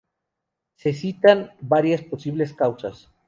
Se citan varias posibles causas.